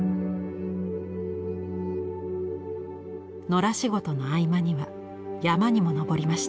野良仕事の合間には山にも登りました。